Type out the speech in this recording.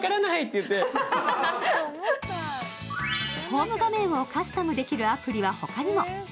ホーム画面をカスタマイズできるアプリは他にも。